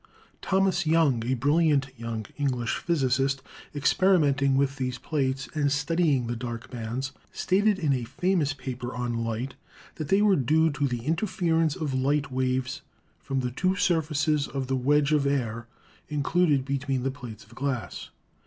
Thomas Young, a brilliant young English physicist, experimenting with these plates and studying the dark bands, stated in a famous paper on light that they were due to the interference of light waves from the two surfaces of the wedge of air included between the plates of glass.